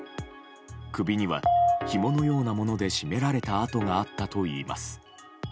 首にはひものようなもので絞められた痕があったといいます。